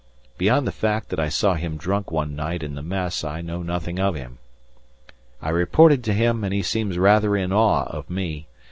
Beyond the fact that I saw him drunk one night in the Mess I know nothing of him. I reported to him and he seems rather in awe of me.